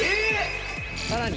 さらに！